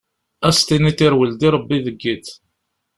Ad s-tiniḍ irwel-d i Rebbi deg iḍ!